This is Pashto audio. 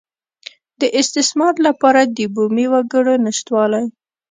د استثمار لپاره د بومي وګړو نشتوالی.